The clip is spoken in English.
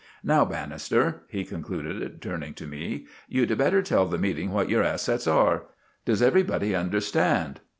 Now, Bannister," he concluded, turning to me, "you'd better tell the meeting what your assets are. Does everybody understand?"